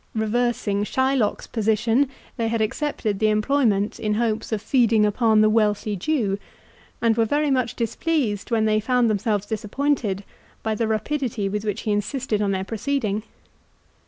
Reversing Shylock's position, they had accepted the employment in hopes of feeding upon the wealthy Jew, and were very much displeased when they found themselves disappointed, by the rapidity with which he insisted on their proceeding.